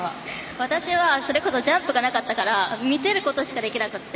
私はそれこそジャンプがなかったから見せることしかできなくて。